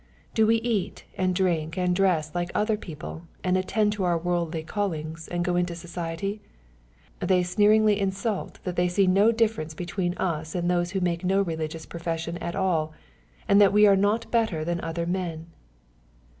— Do we eat, and drink, and dress like other people, and attend to our worldly callings and go into society ? They eneeringly insinuate that they see no difference between us and those who make no religious profession at all, and that we are not better than other men.